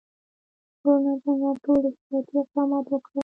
ګورنرجنرال ټول احتیاطي اقدامات وکړل.